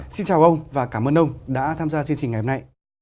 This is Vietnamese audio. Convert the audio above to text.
xin chào ông và cảm ơn ông đã tham gia chương trình ngày hôm nay